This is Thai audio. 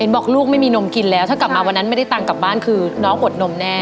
บอกลูกไม่มีนมกินแล้วถ้ากลับมาวันนั้นไม่ได้ตังค์กลับบ้านคือน้องอดนมแน่